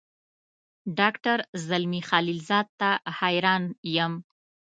ډاکټر زلمي خلیلزاد ته حیران یم.